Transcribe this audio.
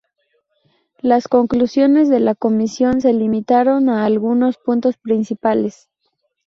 Las conclusiones de la comisión se limitaron a algunos puntos principales.